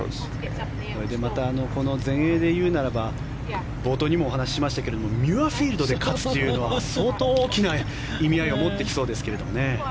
それでまた全英で言うならば冒頭にもお話しましたがミュアフィールドで勝つというのは相当大きな意味合いを持ってきそうですけれどもね。